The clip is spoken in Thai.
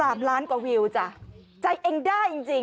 แบบนี้เลย